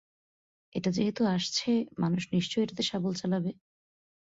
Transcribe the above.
এটা যেহেতু আসছে, মানুষ নিশ্চয়ই এটাতে শাবল চালাবে!